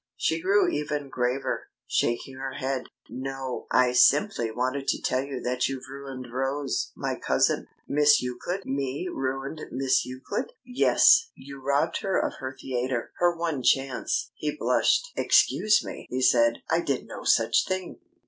She grew even graver, shaking her head. "No! I simply wanted to tell you that you've ruined Rose, my cousin." "Miss Euclid? Me ruined Miss Euclid?" "Yes. You robbed her of her theatre her one chance." He blushed. "Excuse me," he said, "I did no such thing.